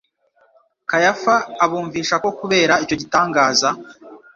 Kayafa abumvisha ko kubera icyo gitangaza,